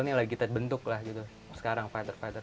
ini lagi kita bentuk lah sekarang fighter fighter